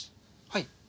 はい。